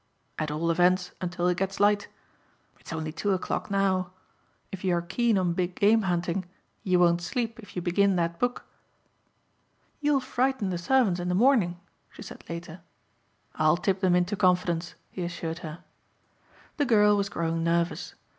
"At all events until it gets light. It's only two o'clock now. If you are keen on big game hunting you won't sleep if you begin that book." "You'll frighten the servants in the morning," she said later. "I'll tip them into confidence," he assured her. The girl was growing nervous.